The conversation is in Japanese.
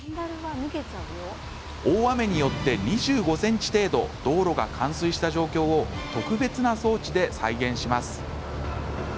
大雨によって２５ｃｍ程度道路が冠水した状況を特別な装置で再現します。